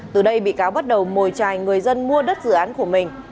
từ đây bị cáo bắt đầu mồi trài người dân mua đất dự án của mình